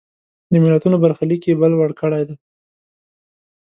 د ملتونو برخلیک یې بل وړ کړی دی.